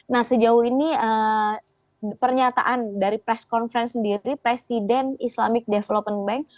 nah sejauh ini pernyataan dari press conference sendiri presiden islamic development bank